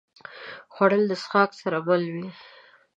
خوړل د څښاک سره مل وي